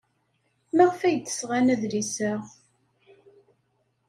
Maɣef ay d-sɣan adlis-a?